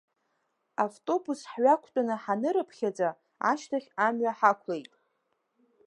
Автобус ҳҩақәтәаны ҳанырыԥхьаӡа ашьҭахь амҩа ҳақәлеит.